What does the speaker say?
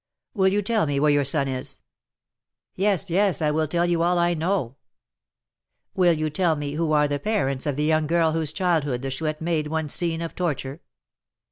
"Will you tell me where your son is?" "Yes, yes, I will tell you all I know." "Will you tell me who are the parents of the young girl whose childhood the Chouette made one scene of torture?"